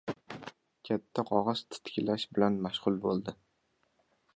Katta qog‘oz titkilash bilan mashg‘ul bo‘ldi.